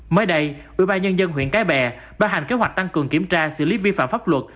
mới đây ubnd huyện cái bè đã hành kế hoạch tăng cường kiểm tra xử lý vi phạm pháp luật